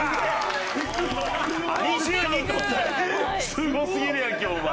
すごすぎるやんけお前！